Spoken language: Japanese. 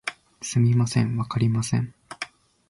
すみません、わかりません